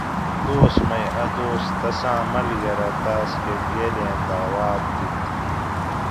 دوس مئ اۤ دوس تساۤں ملگرہ تاس کہۤ گیلیں داعوات دِت